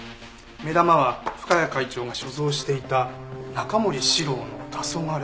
目玉は深谷会長が所蔵していた中森司郎の『黄昏』。